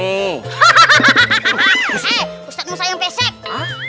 eh ustadz musa yang pesek